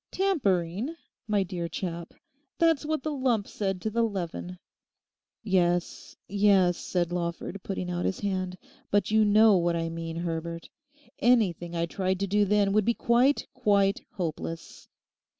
'Tampering, my dear chap: That's what the lump said to the leaven.' 'Yes, yes,' said Lawford, putting out his hand, 'but you know what I mean, Herbert. Anything I tried to do then would be quite, quite hopeless.